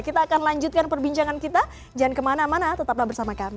kita akan lanjutkan perbincangan kita jangan kemana mana tetaplah bersama kami